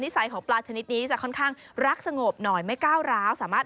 ซะค่อนข้างรักสงบหน่อยไม่ก้าวแร้ว